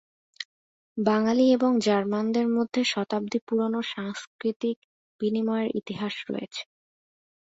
বাঙ্গালী এবং জার্মানদের মধ্যে শতাব্দী পুরনো সাংস্কৃতিক বিনিময়ের ইতিহাস রয়েছে।